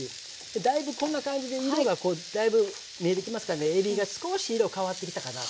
だいぶこんな感じで色がだいぶ見えてきますからねえびが少し色が変わってきたかな。